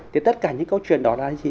thì tất cả những câu chuyện đó là gì